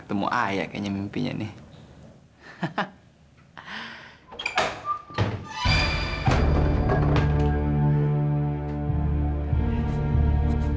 ketemu ayah kayaknya mimpinya nih